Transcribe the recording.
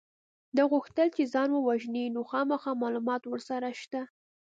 ده غوښتل چې ځان ووژني نو خامخا معلومات ورسره شته